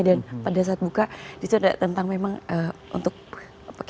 dan pada saat buka itu ada tentang memang untuk